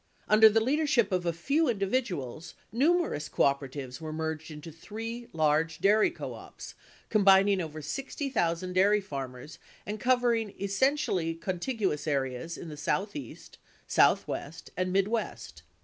Under the leader ship of a few individuals, numerous cooperatives were merged into three large dairy co ops, combining over 60,000 dairy farmers and covering essentially contiguous areas in the Southeast, Southwest, and Midwest.